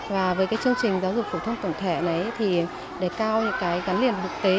và với chương trình giáo dục phổ thông tổng thể này thì đầy cao những gắn liền thực tế